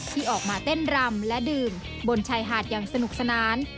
ที่ออกมาเต้นรำและดื่มบนชายหาดอย่างสนุกสนาน